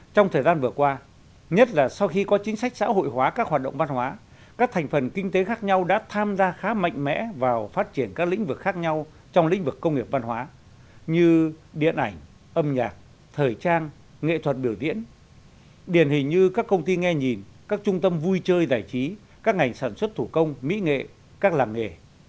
trong thời gian vừa qua nhất là sau khi có chính sách xã hội hóa các hoạt động văn hóa các thành phần kinh tế khác nhau đã tham gia khá mạnh mẽ vào phát triển các lĩnh vực khác nhau trong lĩnh vực công nghiệp văn hóa như điện ảnh âm nhạc thời trang nghệ thuật biểu diễn điển hình như các công ty nghe nhìn các trung tâm vui chơi giải trí các ngành sản xuất thủ công mỹ nghệ các làm nghề